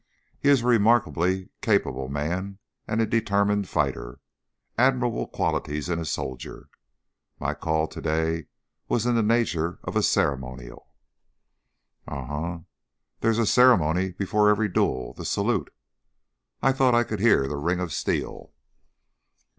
He is a remarkably capable man and a determined fighter. Admirable qualities in a soldier. My call to day was in the nature of a ceremonial." "Um m! There's a ceremony before every duel the salute. I thought I could hear the ring of steel."